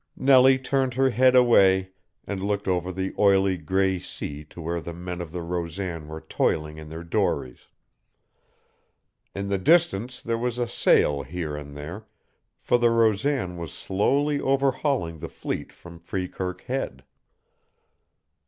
Nellie turned her head away and looked over the oily gray sea to where the men of the Rosan were toiling in their dories. In the distance there was a sail here and there, for the Rosan was slowly overhauling the fleet from Freekirk Head.